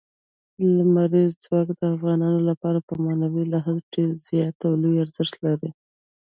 لمریز ځواک د افغانانو لپاره په معنوي لحاظ ډېر زیات او لوی ارزښت لري.